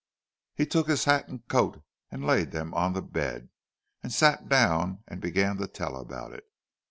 He took his hat and coat and laid them on the bed, and sat down and began to tell about it.